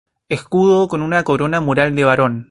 Escudo con una corona mural de barón.